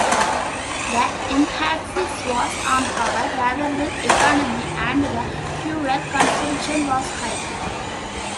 The emphasis was on power, rather than economy, and the fuel consumption was high.